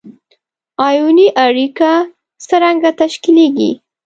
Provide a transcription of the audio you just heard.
آیوني اړیکه څرنګه تشکیلیږي؟